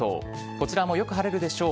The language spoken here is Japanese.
こちらもよく晴れるでしょう。